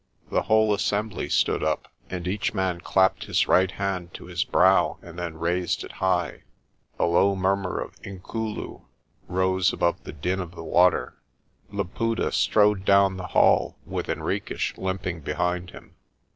The whole assembly stood up, and each man clapped his right hand to his brow and then raised it high. A low murmur of "Inkulu" rose above the din of the water. Laputa strode down the hall, with Henriques limping behind him.